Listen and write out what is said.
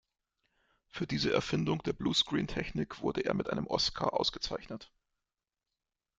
Für diese Erfindung der Bluescreen-Technik wurde er mit einem Oscar ausgezeichnet.